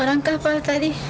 orang kapal tadi